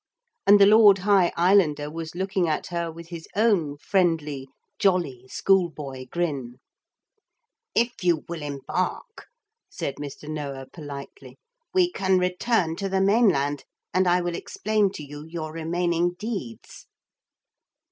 And the Lord High Islander was looking at her with his own friendly jolly schoolboy grin. 'If you will embark,' said Mr. Noah politely, 'we can return to the mainland, and I will explain to you your remaining deeds.'